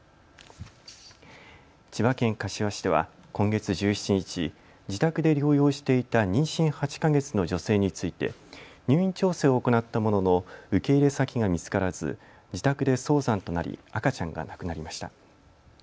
千葉県柏市では今月１７日、自宅で療養していた妊娠８か月の女性について入院調整を行ったものの受け入れ先が見つからず自宅で早産となり赤ちゃんが亡くなりました。